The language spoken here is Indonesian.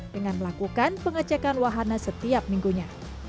dengan melakukan pengecekan wahana setiap minggunya